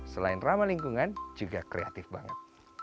selain ramah lingkungan juga kreatif banget